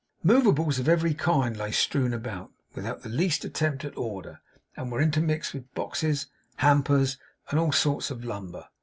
Movables of every kind lay strewn about, without the least attempt at order, and were intermixed with boxes, hampers, and all sorts of lumber.